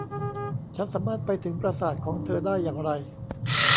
ฉันสามารถไปถึงปราสาทของเธอได้อย่างไร